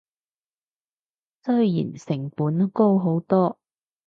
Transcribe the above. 雖然成本高好多